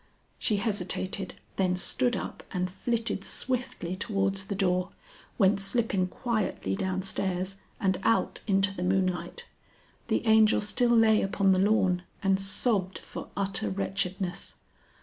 She hesitated, then stood up and flitted swiftly towards the door, went slipping quietly downstairs and out into the moonlight. The Angel still lay upon the lawn, and sobbed for utter wretchedness.